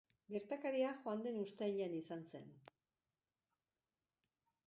Gertakaria joan den uztailean izan zen.